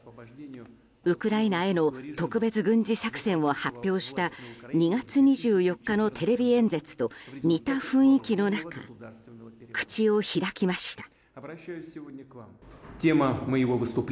ウクライナへの特別軍事作戦を発表した２月２４日のテレビ演説と似た雰囲気の中口を開きました。